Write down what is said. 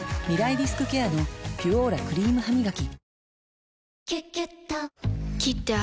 リスクケアの「ピュオーラ」クリームハミガキ